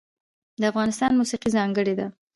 د افغانستان موسیقی ځانګړې ده